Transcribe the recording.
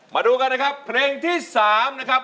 มาดูกันนะครับเพลงที่๓นะครับ